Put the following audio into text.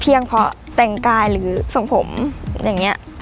เพราะแต่งกายหรือส่งผมอย่างนี้